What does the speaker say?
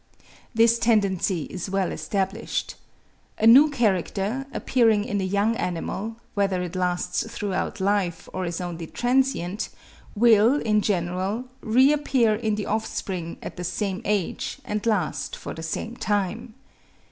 This tendency is well established. A new character, appearing in a young animal, whether it lasts throughout life or is only transient, will, in general, reappear in the offspring at the same age and last for the same time.